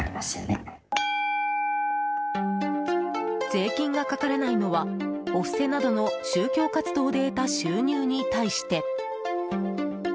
税金がかからないのはお布施などの宗教活動で得た収入に対して。